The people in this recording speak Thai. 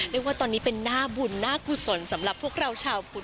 เรียกว่าตอนนี้เป็นหน้าบุญหน้ากุศลสำหรับพวกเราชาวพุทธ